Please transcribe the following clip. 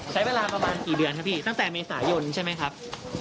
ใช้เวลาประมาณกี่เดือนครับพี่ตั้งแต่เมษายนใช่ไหมครับ